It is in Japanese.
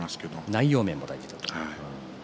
内容面も大事だと。